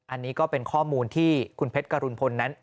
อันนี้ก็เป็นข้อมูลที่คุณเพชรกรุณพลนั้น